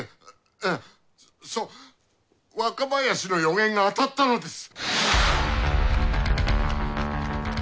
ええそう若林の予言が当たったのです！